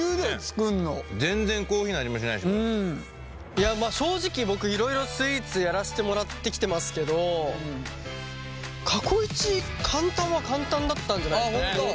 いやまあ正直僕いろいろスイーツやらせてもらってきてますけど過去一簡単は簡単だったんじゃないですかね。あっ本当？